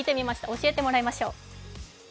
教えてもらいましょう。